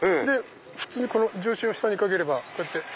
普通に重心を下にかければこうやって。